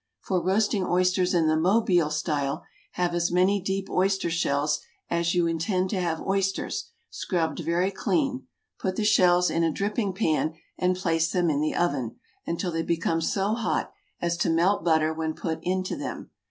For roasting oysters in the Mobile style, have as many deep oyster shells as you intend to have oysters, scrubbed very clean; put the shells in a dripping pan and place them in the oven, until they become so hot as to melt butter when put into them.